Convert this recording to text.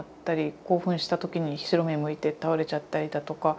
興奮した時に白目むいて倒れちゃったりだとか。